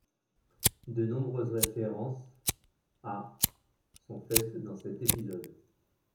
De nombreuses références à sont faites dans cet épisode.